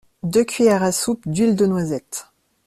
deux cuilières à soupe d’huile de noisette